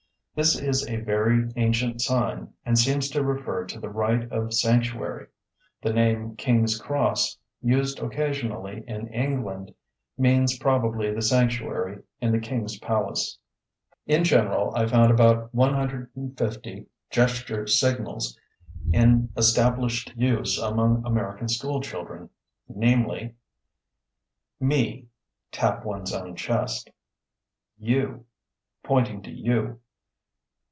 This is a very ancient sign and seems to refer to the right of sanctuary. The name "King's cross," used occasionally in England, means probably the sanctuary in the King's palace. In general I found about 150 gesture signals in established use among American school children, namely: Me (Tap one's own chest). You (Pointing to you).